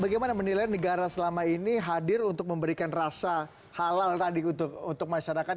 bagaimana menilai negara selama ini hadir untuk memberikan rasa halal tadi untuk masyarakat